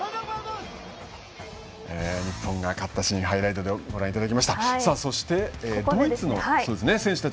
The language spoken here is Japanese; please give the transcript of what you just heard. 日本が勝ったシーンをハイライトでお届けしました。